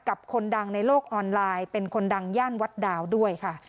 คนดังในโลกออนไลน์เป็นคนดังย่านวัดดาวด้วยค่ะ